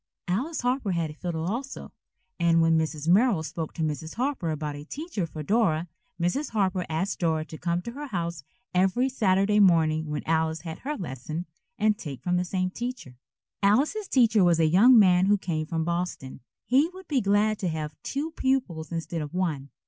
Alice Harper had a fiddle also, and when Mrs. Merrill spoke to Mrs. Harper about a teacher for Dora, Mrs. Harper asked Dora to come to her house every Saturday morning when Alice had her lesson, and take one from the same teacher. Alice's teacher was a young man who came from Boston. He would be glad to have two pupils instead of one.